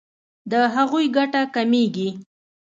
د هغوی ګټه کمیږي.